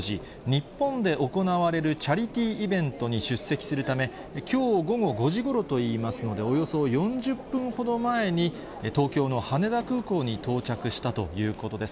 日本で行われるチャリティーイベントに出席するため、きょう午後５時ごろといいますので、およそ４０分ほど前に、東京の羽田空港に到着したということです。